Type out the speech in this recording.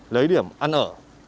lấy điểm ăn ở